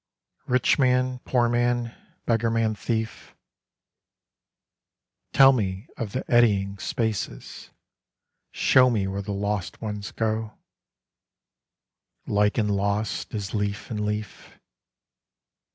Rich man, poor man, beggar man, thief! Tell me of the eddying spaces, Show me where the lost ones go; Like and lost, as leaf and leaf.